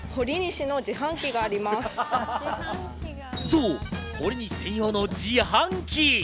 そう、ほりにし専用の自販機。